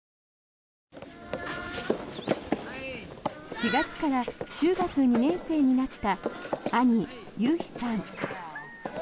４月から中学２年生になった兄・悠陽さん。